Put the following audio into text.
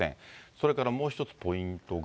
それからもう１つポイントが。